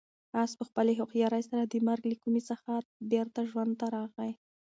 آس په خپلې هوښیارۍ سره د مرګ له کومې څخه بېرته ژوند ته راغی.